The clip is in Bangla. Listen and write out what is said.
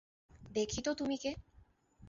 দেখি তো তুমি কে।